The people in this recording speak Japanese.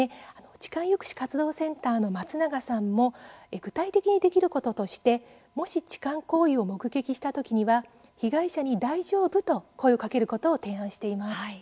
痴漢抑止活動センターの松永さんも具体的にできることとしてもし痴漢行為を目撃した時には被害者に「大丈夫？」と声をかけることを提案しています。